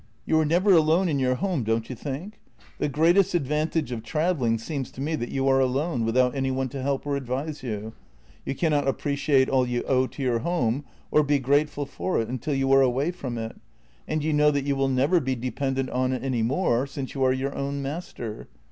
You are never alone in your home, don't you think? The greatest advantage of travelling seems to me that you are alone, without any one to help or advise you. You cannot ap preciate all you owe to your home, or be grateful for it, until you are away from it, and you know that you will never be dependent on it any more, since you are your own master.